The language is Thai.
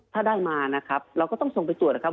ถ้าได้มานะครับเราก็ต้องส่งไปตรวจนะครับ